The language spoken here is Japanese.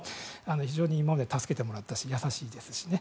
非常に今まで助けてもらったし優しいですしね。